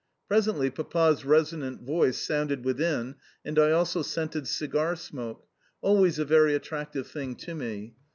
Presently Papa's resonant voice sounded within, and I also scented cigar smoke always a very attractive thing to me.